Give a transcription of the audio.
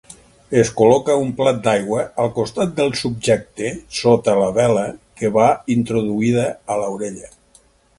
Es col·loca un plat d'aigua al costat del subjecte sota la vela que va introduïda a l'orella.